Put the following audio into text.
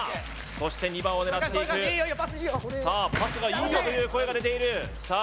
そして２番を狙っていくさあ「パスがいいよ」という声が出ているさあ